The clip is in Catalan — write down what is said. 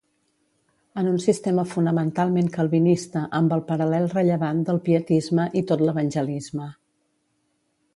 En un sistema fonamentalment calvinista amb el paral·lel rellevant del pietisme i tot l'evangelisme.